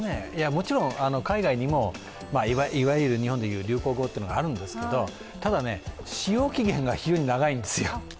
もちろん海外にも日本でいう流行語があるんですけどただ、使用期限が非常に長いんですよ。